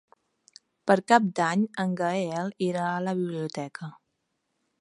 Per Cap d'Any en Gaël irà a la biblioteca.